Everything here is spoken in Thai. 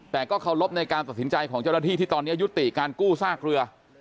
แต่ก็เคารพในการตัดสินใจของเจ้าหน้าที่ที่ตอนนี้ยุติการกู้ซากเรือ